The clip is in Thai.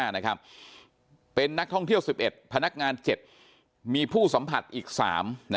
เป็นนักท่องเที่ยว๑๑พนักงาน๗มีผู้สัมผัสอีก๓